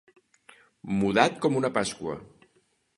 Mudat com una Pasqua.